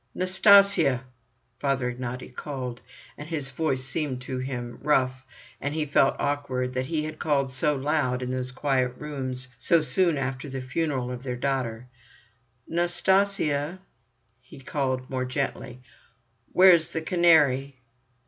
"Nastasya!" Father Ignaty called, and his voice seemed to him rough, and he felt awkward, that he had called so loud in those quiet rooms, so soon after the funeral of their daughter. "Nastasya," he called more gently, "where's the canary?"